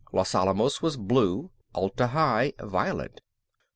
Los Alamos was blue, Atla Hi violet.